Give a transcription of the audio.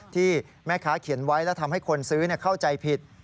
ที่แม่ค้าเขียนไว้และทำให้คนซื้อเข้าใจผิด